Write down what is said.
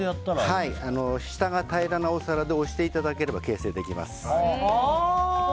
はい、下が平らなお皿で押していただければ形成できます。